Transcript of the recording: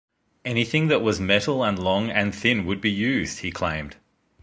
"Anything that was metal and long and thin would be used," he claimed.